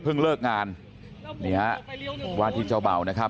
พึ่งเลิกงานวาทิเจ้าเบ่านะครับ